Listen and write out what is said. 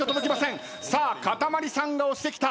さあかたまりさんが押してきた。